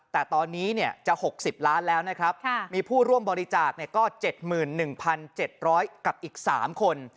แต่ตอนนี้จะ๖๐ล้านแล้วนะครับมีผู้ร่วมบริจาคก็๗๑๗๐๐กับอีก๓คน